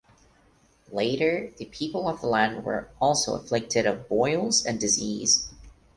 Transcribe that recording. Later the people of the land were also afflicted of boils and disease.